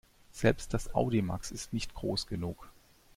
Selbst das Audimax ist nicht groß genug.